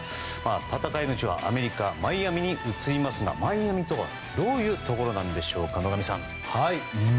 戦いの地はアメリカ・マイアミに移りますがマイアミとはどういうところなんでしょうか、野上さん。